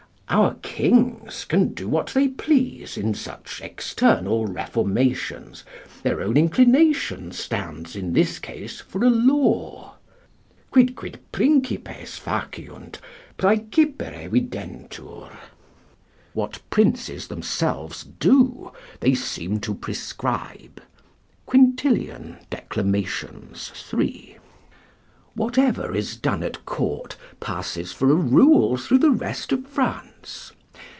Our kings can do what they please in such external reformations; their own inclination stands in this case for a law: "Quicquid principes faciunt, praecipere videntur." ["What princes themselves do, they seem to prescribe." Quintil., Declam., 3.] Whatever is done at court passes for a rule through the rest of France.